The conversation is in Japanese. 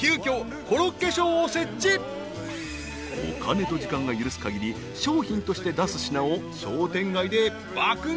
［お金と時間が許すかぎり商品として出す品を商店街で爆買い］